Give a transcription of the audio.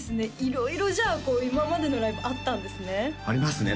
色々じゃあ今までのライブあったんですねありますね